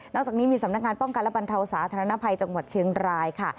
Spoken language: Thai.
จากนี้มีสำนักงานป้องกันและบรรเทาสาธารณภัยจังหวัดเชียงรายค่ะ